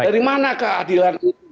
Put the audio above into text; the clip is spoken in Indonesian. dari mana keadilan ini